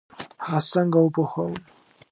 هغه څنګه وپوهوم؟